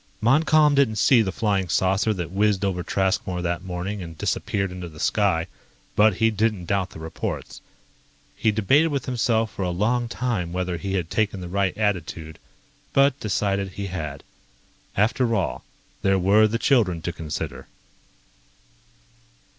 Montcalm didn't see the flying saucer that whizzed over Traskmore that morning and disappeared into the sky, but he didn't doubt the reports. He debated with himself for a long time whether he had taken the right attitude, but decided he had. After all, there were the children to consider.